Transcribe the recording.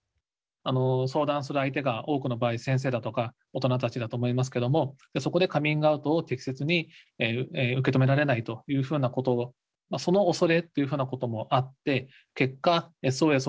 相談する相手が多くの場合先生だとか大人たちだと思いますけどもそこでカミングアウトを適切に受け止められないというふうなことその恐れというふうなこともあって結果ＳＯＳを出すのが遅れていく。